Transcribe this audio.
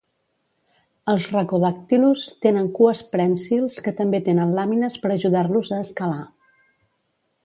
Els "Rhacodactylus" tenen cues prènsils que també tenen làmines per ajudar-los a escalar.